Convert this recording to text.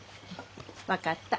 分かった。